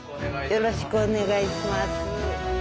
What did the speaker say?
よろしくお願いします。